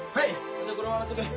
じゃあこれも洗っとけ。